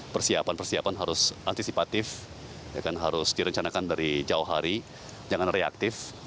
persiapan persiapan harus antisipatif harus direncanakan dari jauh hari jangan reaktif